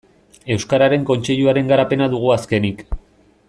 Euskararen Kontseiluaren garapena dugu azkenik.